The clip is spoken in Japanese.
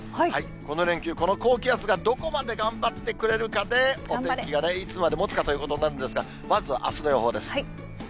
この連休、この高気圧がどこまで頑張ってくれるかで、お天気がね、いつまでもつかということなんですが、まずはあすの予報です。